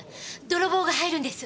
泥棒が入るんです。